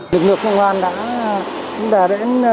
lực lượng công an đã